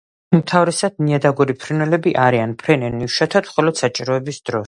უმთავრესად ნიადაგური ფრინველები არიან, ფრენენ იშვიათად, მხოლოდ საჭიროების დროს.